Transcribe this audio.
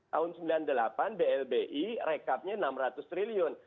tahun seribu sembilan ratus sembilan puluh delapan blbi rekapnya rp enam ratus triliun